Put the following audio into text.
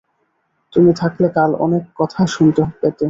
তুমি থাকলে কাল অনেক কথা শুনতে পেতে।